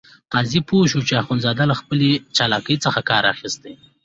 قاضي پوه شو چې اخندزاده له خپلې چالاکۍ څخه کار اخیستی.